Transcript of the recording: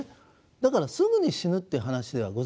だからすぐに死ぬっていう話ではございません。